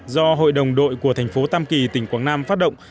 do hội đồng đội của thành phố tam kỳ tỉnh quảng nam phát động